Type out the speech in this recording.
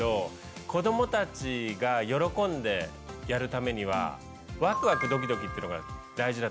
子どもたちが喜んでやるためにはワクワクドキドキっていうのが大事だと思うんですよね。